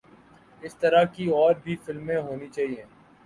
اس طرح کی اور بھی فلمیں ہونی چاہئے